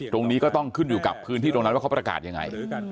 ตรงนี้ก็ต้องขึ้นอยู่กับพื้นที่ตรงนั้นว่าเขาประกาศยังไง